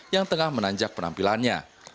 yang tengah menanjak penampilannya